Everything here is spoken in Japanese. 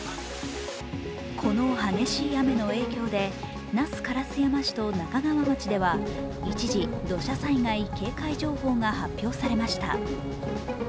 この激しい雨の影響で那須烏山市と那珂川町では、一時、土砂災害警戒情報が発表されました。